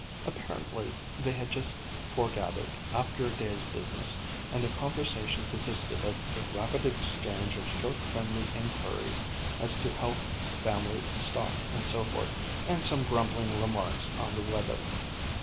Apparently they had just foregathered, after a day's business, and their conversation consisted of a rapid exchange of short friendly inquiries as to health, family, stock, and so forth, and some grumbling remarks on the weather.